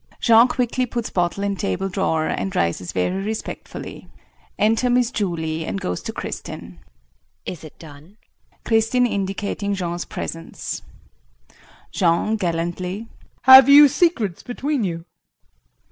[Jean quickly puts bottle in table drawer and rises very respectfully.] [Enter Miss Julie and goes to Kristin.] JULIE. Is it done? [Kristin indicating Jean's presence.] JEAN [Gallantly]. Have you secrets between you?